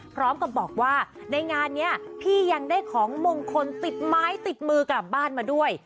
พร้อมกับบอกว่าในงานนี้พี่ยังได้ของมงคลติดไม้ติดมือกลับบ้านมาด้วย